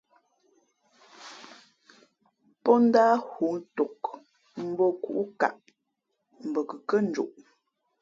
Pó ndáh hǔ tok mbō khǔkǔʼkaʼ mbα kʉkhʉ́ά njoʼ.